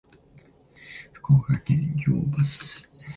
福岡県行橋市